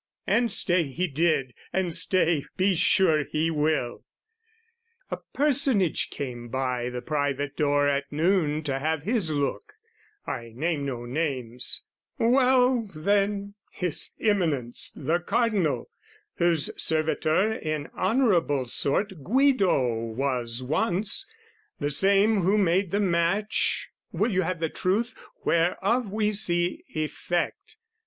And stay he did, and stay be sure he will. A personage came by the private door At noon to have his look: I name no names: Well then, His Eminence the Cardinal, Whose servitor in honourable sort Guido was once, the same who made the match, (Will you have the truth?) whereof we see effect.